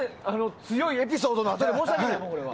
強いスピードのあとに申し訳ない。